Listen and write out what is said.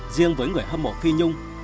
riêng với người hâm mộ phi nhung